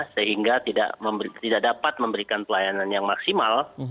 sehingga tidak dapat memberikan pelayanan yang maksimal